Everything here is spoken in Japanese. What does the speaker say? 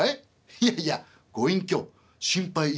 「いやいやご隠居心配いりませんよ」。